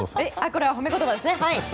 これは褒め言葉ですね！